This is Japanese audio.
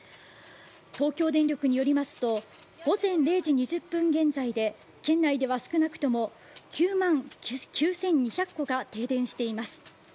東京電力によりますと午前０時２０分現在で県内では少なくとも９万９２００戸が停電しています。